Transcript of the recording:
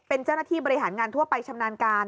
เป็นเจ้าหน้าที่บริหารงานทั่วไปชำนาญการ